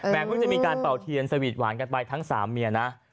เพิ่งจะมีการเป่าเทียนสวีทหวานกันไปทั้ง๓เมียนะ